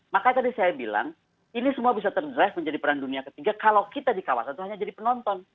makanya tadi saya bilang ini semua bisa terdrive menjadi peran dunia ketiga kalau kita di kawasan itu hanya jadi penonton